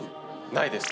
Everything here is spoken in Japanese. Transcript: ないです。